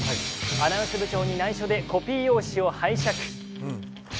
アナウンス部長に内緒でコピー用紙を拝借。